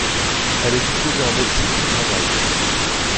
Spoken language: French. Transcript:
Elle est diplômée en médecine du travail.